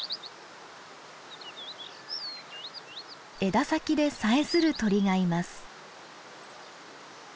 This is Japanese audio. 枝先でさえずる鳥がいます。